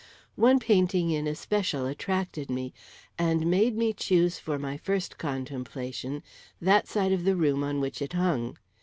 One painting in especial attracted me, and made me choose for my first contemplation that side of the room on which it hung.